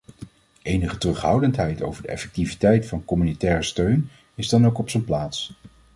Enige terughoudendheid over de effectiviteit van communautaire steun is dan ook op zijn plaats.